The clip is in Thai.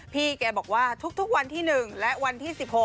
พี่แกบอกว่าทุกวันที่๑และวันที่๑๖